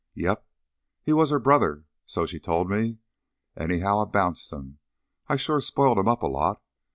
"Yep. He was her brother, so she told me. Anyhow, I bounced him. I sure spoiled him up a lot.